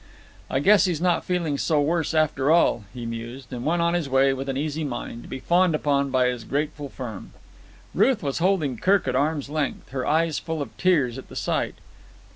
"I guess he's not feeling so worse, after all," he mused, and went on his way with an easy mind to be fawned upon by his grateful firm. Ruth was holding Kirk at arm's length, her eyes full of tears at the sight.